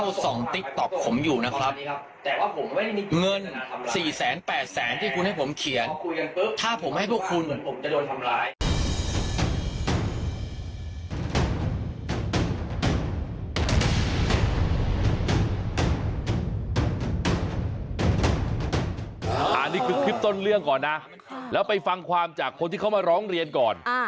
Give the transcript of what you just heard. อันนี้คือคลิปต้นเรื่องก่อนนะแล้วไปฟังความจากคนที่เขามาร้องเรียนก่อน